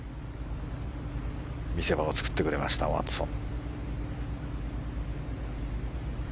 見せ場を作ってくれましたワトソン。